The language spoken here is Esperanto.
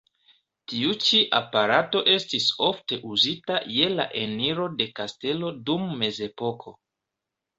Tiu ĉi aparato estis ofte uzita je la eniro de kastelo dum Mezepoko.